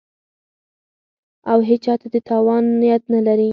او هېچا ته د تاوان نیت نه لري